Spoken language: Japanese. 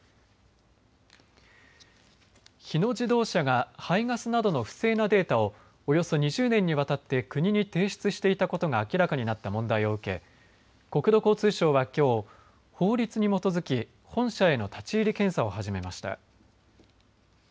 日野自動車が排ガスなどの不正なデータをおよそ２０年にわたって国に提出していたことが明らかになった問題を受け、国土交通省はきょう、法律に基づき本社への立ち入り検査を始めました。